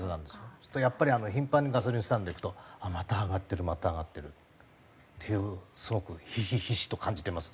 そうするとやっぱり頻繁にガソリンスタンド行くとあっまた上がってるまた上がってるっていうすごくひしひしと感じてます。